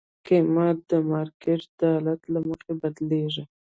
قیمت د مارکیټ د حالت له مخې بدلېږي.